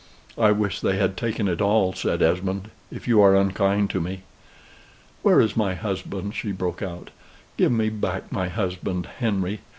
"I wish they had taken it all," said Esmond; "if you are unkind to me." "Where is my husband?" she broke out. "Give me back my husband, Henry.